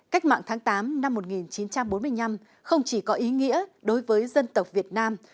cách mạng tháng tám năm một nghìn chín trăm bốn mươi năm không chỉ có ý nghĩa đối với dân tộc việt nam